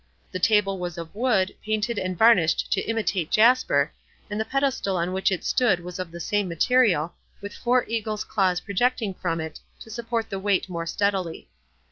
The table was of wood painted and varnished to imitate jasper, and the pedestal on which it stood was of the same material, with four eagles' claws projecting from it to support the weight more steadily.